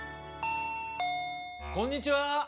・・こんにちは。